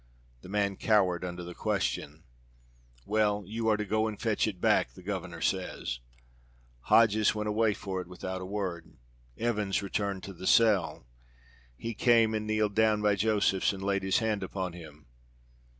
The man cowered under the question. "Well, you are to go and fetch it back, the governor says." Hodges went away for it without a word. Evans returned to the cell. He came and kneeled down by Josephs and laid his hand upon him.